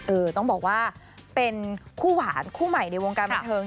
ต้องบอกว่าเป็นคู่หวานคู่ใหม่ในวงการบันเทิง